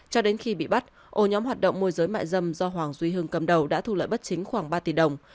cho đến khi bị bắt ô nhóm hoạt động môi giới mại dâm do hoàng duy hưng cầm đầu đã thu lợi bất chính khoảng ba tỷ đồng